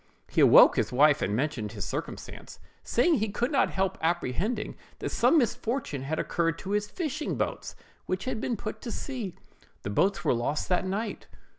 He awoke his wife and mentioned the circumstance, saying he could not help apprehending that some misfortune had occurred to his fishing boats, which had put to sea. The boats were lost that night.